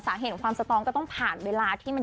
สาเหตุของความสตองก็ต้องผ่านเวลาที่มัน